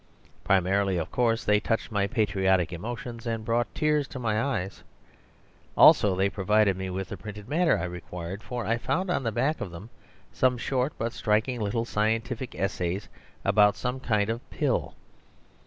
Primarily, of course, they touched my patriotic emotions, and brought tears to my eyes; also they provided me with the printed matter I required, for I found on the back of them some short but striking little scientific essays about some kind of pill.